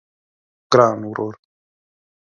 ګران ورور